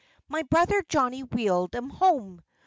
My brother Johnny wheeled 'em home.